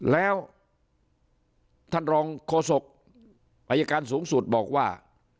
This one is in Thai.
แล้วท่านรองโฆษกอายการสูงสุดบอกว่า